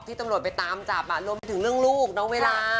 ตำรวจไปตามจับรวมไปถึงเรื่องลูกน้องเวลา